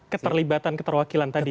keterlibatan keterwakilan tadi ya